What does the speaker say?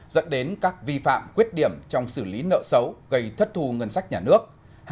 dẫn đến các vi phạm quyết điểm trong xử lý nợ xấu gây thất thù ngân sách nhà nước